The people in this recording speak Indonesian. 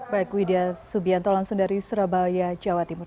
baik widyato langsung dari surabaya jawa timur